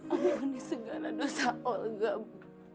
ampuni segala dosa olga bu